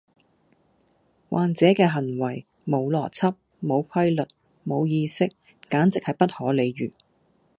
患者嘅行為無邏輯、無規律、無意識，簡直係不可理喻